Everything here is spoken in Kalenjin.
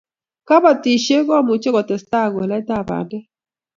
kabotishe komuchi ketesta koleekab bandek